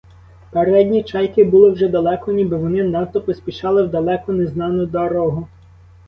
Передні чайки були вже далеко, ніби вони надто поспішали в далеку, незнану дорогу.